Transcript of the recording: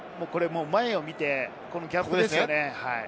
前を見てこのギャップです。